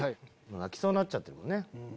泣きそうになっちゃってるもんね。